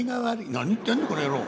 「何言ってんだこの野郎。